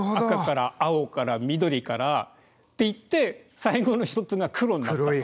赤から青から緑からっていって最後の一つが黒になった。